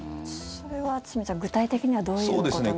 それは堤さん、具体的にはどういうことになるんでしょう。